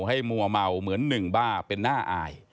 มัวเมาเหมือนหนึ่งบ้าเป็นหน้าอาย